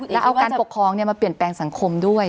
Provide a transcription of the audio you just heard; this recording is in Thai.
แล้วเอาการปกครองมาเปลี่ยนแปลงสังคมด้วย